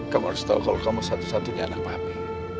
kamu harus tahu kalau kamu satu satunya anak mapi